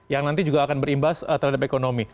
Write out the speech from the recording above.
yang nanti juga akan berimbas terhadap ekonomi